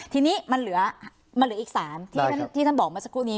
ทีนี้มันเหลืออีก๓ที่ท่านบอกมาสักครู่นี้